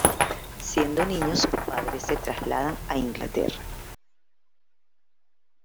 Siendo niño sus padres se trasladan a Inglaterra.